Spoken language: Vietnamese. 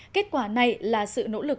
kết quả này là sự nỗ lực